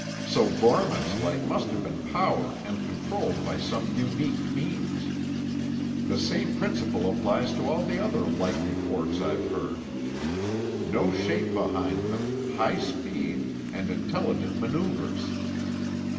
So Gorman's light must have been powered and controlled by some unique means. The same principle applies to all the other light reports I've heard. No shape behind them, high speed, and intelligent maneuvers.